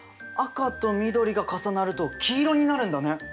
赤と緑が重なると黄色になるんだね。